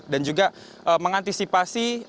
dan juga mengantisipasi